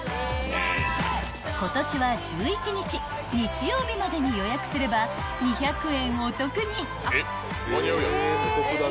［今年は１１日日曜日までに予約すれば２００円お得に］